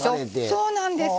そうなんです。